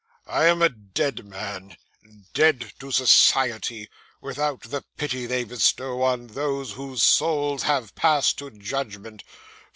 I am a dead man; dead to society, without the pity they bestow on those whose souls have passed to judgment.